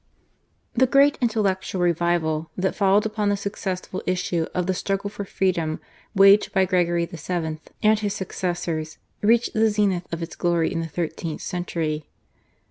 The great intellectual revival, that followed upon the successful issue of the struggle for freedom waged by Gregory VII. and his successors, reached the zenith of its glory in the thirteenth century.